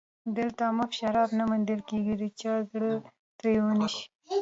دلته مفت شراب نه موندل کېږي چې د چا زړه ترې ونشي